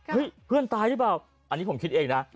เพื่อนตายหรือเปล่าอันนี้ผมคิดเองนะ